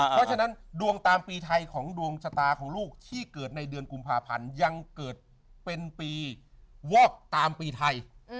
เพราะฉะนั้นดวงตามปีไทยของดวงชะตาของลูกที่เกิดในเดือนกุมภาพันธ์ยังเกิดเป็นปีวอกตามปีไทย